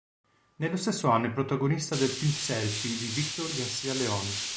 Nello stesso anno è protagonista del film "Selfie" di Víctor García León.